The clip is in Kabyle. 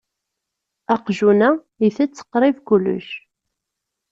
Aqjun-a itett qrib kullec.